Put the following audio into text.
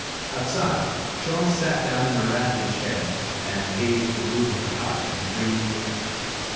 Outside, Sholmes sat down in a rattan chair and gazed at the roof of the house in a dreamy way.